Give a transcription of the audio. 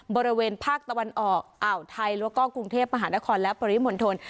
บริเวณภาคตะวันออกอ่าวไทยแล้วก็กรุงเทพมหานครและปริมณฑล